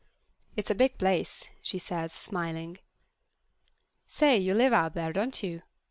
"It's a big place," she says, smiling. "Say, you live out there, don't you?